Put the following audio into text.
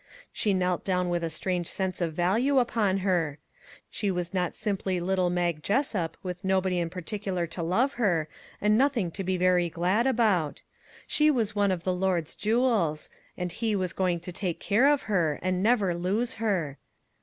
She knelt down with a strange sense of value upon her. She was not simply little Mag Jessup with nobody in particular to love her, and nothing to be very glad about. She was one of the Lord's jewels, and he was going to take care of her and never lose her.